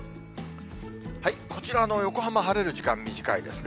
こちら、横浜晴れる時間短いですね。